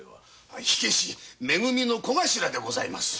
火消しめ組の小頭でございます。